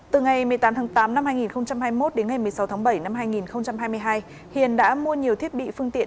từ ngày một mươi tám tháng tám năm hai nghìn hai mươi một đến ngày một mươi sáu tháng bảy năm hai nghìn hai mươi hai hiền đã mua nhiều thiết bị phương tiện